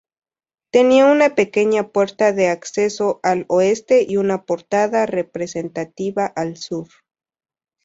Tenía una pequeña puerta de acceso al oeste y una portada representativa al sur.